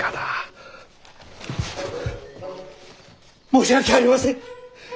申し訳ありません！